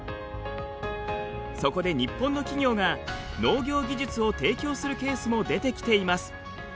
そこで日本の企業が農業技術を提供するケースも出てきています。